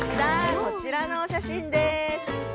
こちらのお写真です。